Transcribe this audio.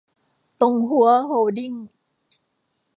ตงฮั้ว โฮลดิ้ง